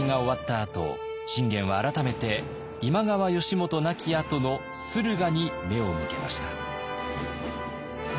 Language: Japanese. あと信玄は改めて今川義元亡きあとの駿河に目を向けました。